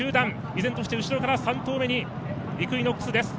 依然として後ろから３頭目にイクイノックスです。